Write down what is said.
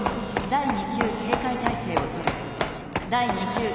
第２級警戒態勢をとれ。